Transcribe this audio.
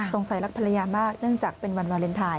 รักภรรยามากเนื่องจากเป็นวันวาเลนไทย